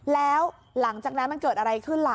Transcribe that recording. แล้วหลังจากนั้นมันเกิดอะไรขึ้นล่ะ